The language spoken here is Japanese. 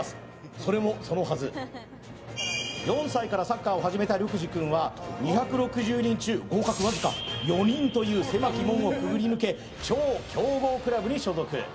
それもそのはず、４歳からサッカーを始めた緑二君は２６０人中、合格僅か４人という狭き門をくぐり抜け超強豪クラブに所属。